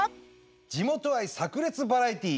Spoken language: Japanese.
地元愛炸裂バラエティー。